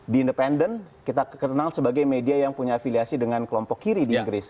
di independen kita kenal sebagai media yang punya afiliasi dengan kelompok kiri di inggris